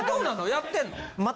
やってんの？